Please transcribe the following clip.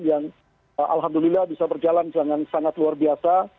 yang alhamdulillah bisa berjalan dengan sangat luar biasa